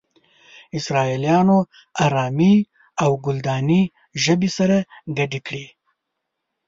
اسرائيليانو آرامي او کلداني ژبې سره گډې کړې.